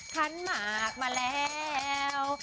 คันหมากมาแล้ว